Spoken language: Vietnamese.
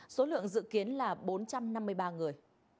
số lượng dự kiến là bốn trăm năm mươi ba người